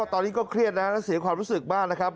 ตอนนี้ก็เครียดนะและเสียความรู้สึกมากนะครับ